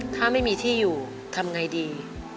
ถ้าไม่มีที่อยู่ทำไงดี